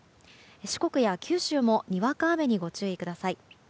四国や九州もにわか雨にご注意ください。